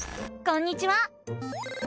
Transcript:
こんにちは！